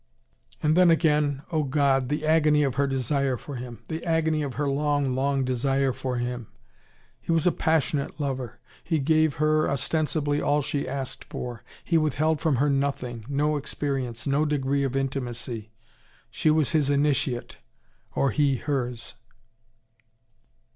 And then again, oh, God, the agony of her desire for him. The agony of her long, long desire for him. He was a passionate lover. He gave her, ostensibly, all she asked for. He withheld from her nothing, no experience, no degree of intimacy. She was his initiate, or he hers.